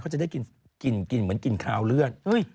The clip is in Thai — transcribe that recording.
เขาจะได้กินเหมือนกลิ่นคาวเลือด